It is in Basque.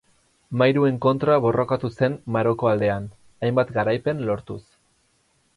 Mairuen kontra borrokatu zen Maroko aldean, hainbat garaipen lortuz.